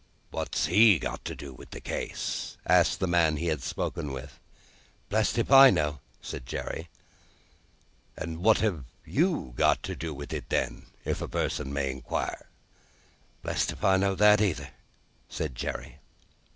"What's he got to do with the case?" asked the man he had spoken with. "Blest if I know," said Jerry. "What have you got to do with it, then, if a person may inquire?" "Blest if I know that either," said Jerry.